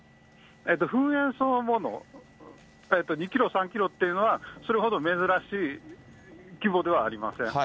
噴煙そのもの、２キロ、３キロっていうのは、それほど珍しい規模ではありません。